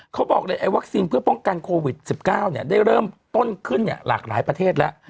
เขาบอกเลยไอ้วัคซีนเพื่อป้องกันโควิด๑๙ได้เริ่มต้นขึ้นหลากหลายประเทศแล้ว